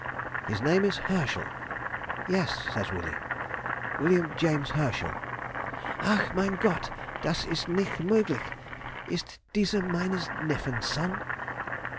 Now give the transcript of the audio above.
'His name is Herschel.' 'Yes,' says Willie, 'William James Herschel.' '_Ach, mein Gott! das ist nicht möglich; ist dieser meines Neffen's Sohn?